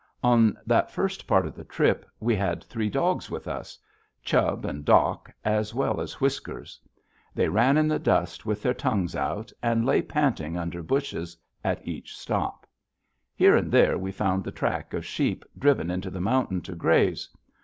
On that first part of the trip, we had three dogs with us Chubb and Doc, as well as Whiskers. They ran in the dust with their tongues out, and lay panting under bushes at each stop. Here and there we found the track of sheep driven into the mountain to graze.